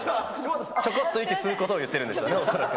ちょこっと息を吸うことを言ってるんですよね、恐らく。